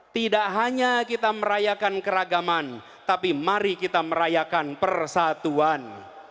tidak hanya kita merayakan keragaman tapi mari kita merayakan persatuan